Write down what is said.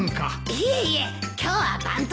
いえいえ今日は番頭ですので。